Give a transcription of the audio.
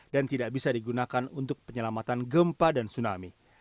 dan tidak bisa digunakan untuk penyelamatan gempa dan tsunami